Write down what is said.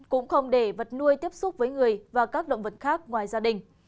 cũng không để vật nuôi tiếp xúc với người và các động vật khác ngoài gia đình